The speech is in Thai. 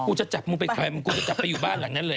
กูจะจับมึงไปถอยมึงกูจะจับไปอยู่บ้านหลังนั้นเลย